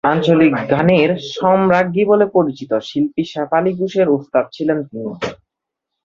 আঞ্চলিক গানের সম্রাজ্ঞী বলে পরিচিত শিল্পী শেফালী ঘোষের ওস্তাদ ছিলেন তিনি।